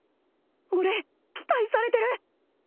俺期待されてる！